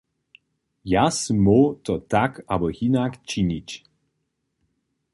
Ja sym móhł to tak abo hinak činić.